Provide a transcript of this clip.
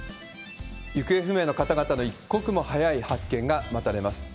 行方不明の方々の一刻も早い発見が待たれます。